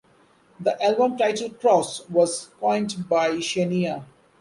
The album title "Cross" was coined by Shinya.